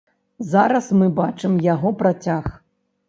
Зараз мы бачым яго працяг.